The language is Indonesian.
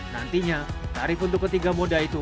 nantinya tarif untuk ketiga moda itu